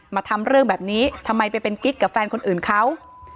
มาทำเรื่องแบบนี้ทำไมไปเป็นกิ๊กกับแฟนคนอื่นเขา